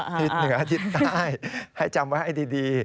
ทิศเหนือทิศใต้ให้จำไว้ให้ดี